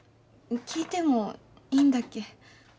聞いてもいいんだっけ？